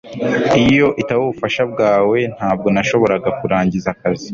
iyo itaba ubufasha bwawe, ntabwo nashoboraga kurangiza akazi